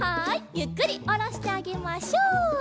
ゆっくりおろしてあげましょう。